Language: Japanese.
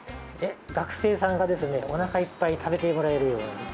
学生さんがおなかいっぱい食べてもらえるように。